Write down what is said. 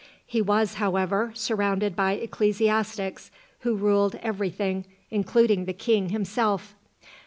He was, however, surrounded by ecclesiastics who ruled every thing, including the king himself.